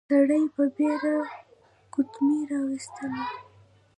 سړی په بېړه ګوتمی راويستلې.